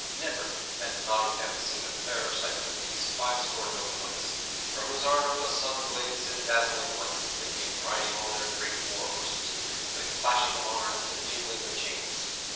Never had Nottingham seen a fairer sight than those fivescore noble knights, from whose armor the sun blazed in dazzling light as they came riding on their great war horses, with clashing of arms and jingling of chains.